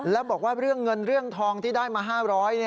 แล้วบอกว่าเรื่องเงินเรื่องทองที่ได้มา๕๐๐บาท